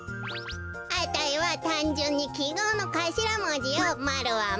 あたいはたんじゅんにきごうのかしらもじを○は「マ」